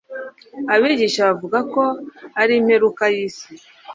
abigisha bavuga ko ari imperuka yisi